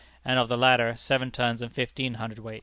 and of the latter seven tons and fifteen cwt.